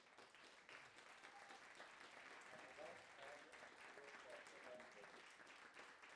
ma mekat aame amitwogikab Japan ketik